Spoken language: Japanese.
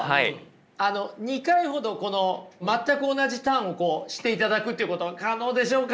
あの２回ほどこの全く同じターンをしていただくということ可能でしょうか？